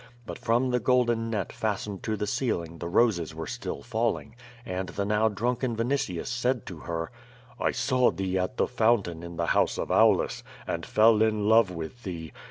But from the golden net fastened to the ceiling the roses were still falling, and the now drunken Yinitius said to her: *!. saw thee at the fountain in the house of Aulus, and fell in love with thee.